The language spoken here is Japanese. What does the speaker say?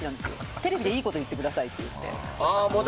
テレビでいいこと言ってくださいって。